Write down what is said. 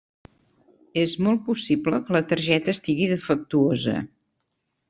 És molt possible que la targeta estigui defectuosa.